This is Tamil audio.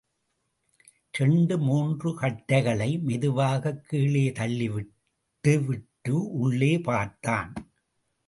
இரண்டு மூன்று கட்டைகளைக் மெதுவாகக் கீழே தள்ளி விட்டுவிட்டு உள்ளே பார்த்தான்.